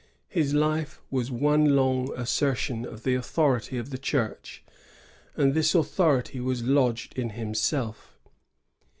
His life was one long assertion of the authority of the Church, and this authority was lodged in himself.